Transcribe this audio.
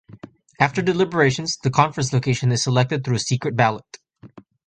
After deliberations, the conference location is selected through a secret ballot.